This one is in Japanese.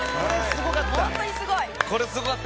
これすごかった！